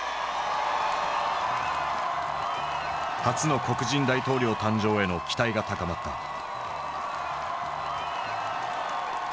初の黒人大統領誕生への期待が高まった。